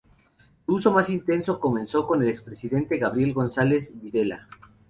Su uso más intenso comenzó con el expresidente Gabriel González Videla.